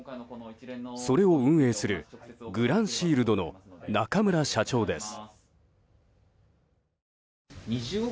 それを運営するグランシールドの中村社長です。